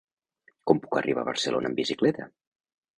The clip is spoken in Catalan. Com puc arribar a Barcelona amb bicicleta?